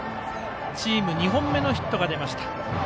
チーム２本目のヒットが出ました。